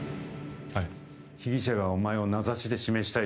はい被疑者がお前を名指しで指名した